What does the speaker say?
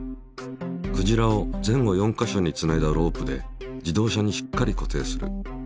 クジラを前後４か所につないだロープで自動車にしっかり固定する。